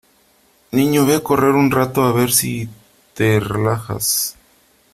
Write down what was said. Niño, ve a correr un rato, a ver si te relajas.